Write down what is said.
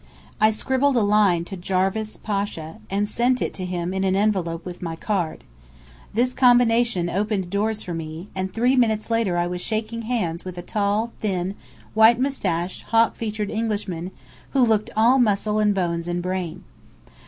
I scribbled a line to Jarvis Pasha, and sent it to him in an envelope with my card. This combination opened doors for me; and three minutes later I was shaking hands with a tall, thin, white moustached, hawk featured Englishman who looked all muscle and bones and brain.